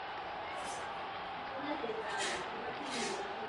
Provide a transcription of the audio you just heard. Před nahráváním desky Shadow Zone ale kapelu opustil.